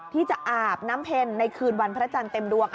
ที่จะอาบน้ำเพ็ญในคืนวันพระจันทร์เต็มดวง